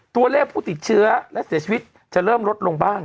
ตัวเลขผู้ติดเชื้อและเสียชีวิตจะเริ่มลดลงบ้าง